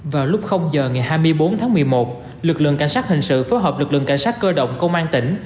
vào lúc giờ ngày hai mươi bốn tháng một mươi một lực lượng cảnh sát hình sự phối hợp lực lượng cảnh sát cơ động công an tỉnh